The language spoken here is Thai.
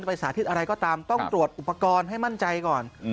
ไปสาธิตอะไรก็ตามต้องตรวจอุปกรณ์ให้มั่นใจก่อน